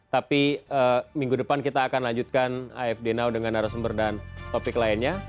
tapi minggu depan kita akan lanjutkan afd now dengan arah sumber dan topik lainnya